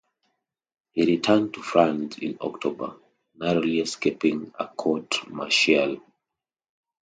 He returned to France in October, narrowly escaping a court martial.